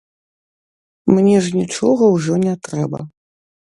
Мне ж нічога ўжо не трэба.